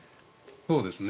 そうですね。